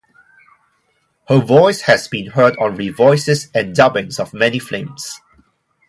Her voice has been heard on re-voices and dubbings of many films.